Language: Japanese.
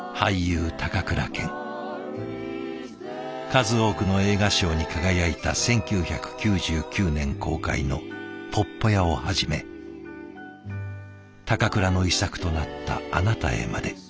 数多くの映画賞に輝いた１９９９年公開の「鉄道員」をはじめ高倉の遺作となった「あなたへ」まで。